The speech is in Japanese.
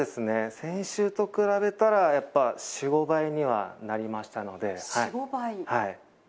先週と比べたら４５倍にはなりました。